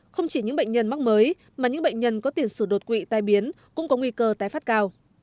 không chỉ những bệnh nhân mắc mới mà những bệnh nhân có tiền sử đột quỵ tai biến cũng có nguy cơ tái phát cao